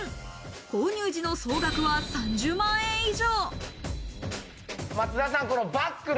購入時の総額は３０万円以上。